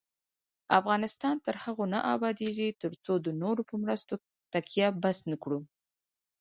افغانستان تر هغو نه ابادیږي، ترڅو د نورو په مرستو تکیه بس نکړو.